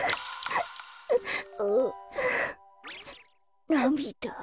あ。なみだ？